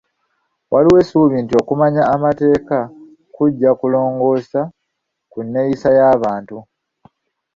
Waliwo essuubi nti okumanya amateeka kujja kulongoosa ku nneyisa y'abantu.